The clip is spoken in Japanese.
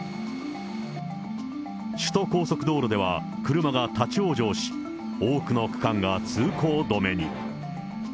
首都高速道路では車が立往生し、多くの区間が通行止めに。